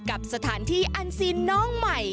กับสถานที่อันซีนน้องใหม่